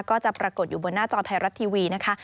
ก็จะปรากฏอยู่บนหน้าจอไทยรัฐทีวีนะคะ